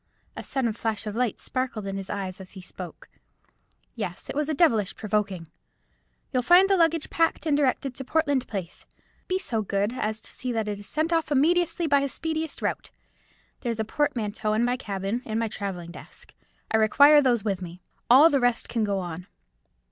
A sudden flash of light sparkled in his eyes as he spoke. "Yes, it was devilish provoking. You'll find the luggage packed, and directed to Portland Place; be so good as to see that it is sent off immediately by the speediest route. There is a portmanteau in my cabin, and my travelling desk. I require those with me. All the rest can go on."